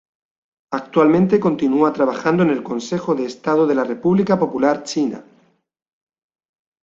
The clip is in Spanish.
Actualmente continúa trabajando en el Consejo de Estado de la República Popular China.